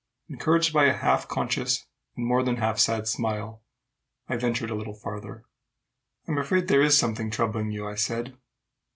Encouraged by a half conscious and more than half sad smile, I ventured a little farther. "I am afraid there is something troubling you," I said.